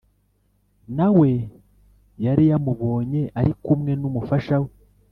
nawe yari yamubonye arikumwe n'umufasha we